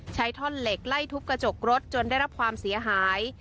ท่อนเหล็กไล่ทุบกระจกรถจนได้รับความเสียหาย